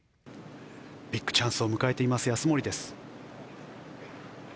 ビッグチャンスを迎えています安森です。